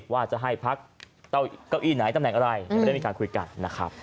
ว่าจะให้พักเก้าอี้ไหนตำแหน่งอะไรยังไม่ได้มีการคุยกันนะครับ